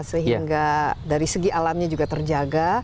sehingga dari segi alamnya juga terjaga